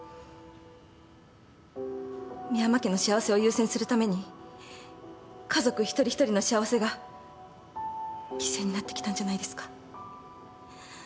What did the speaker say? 深山家の幸せを優先するために家族一人一人の幸せが犠牲になってきたんじゃないですか？